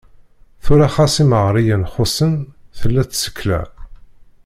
Tura ɣas imeɣriyen xuṣṣen, tella tsekla.